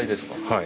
はい。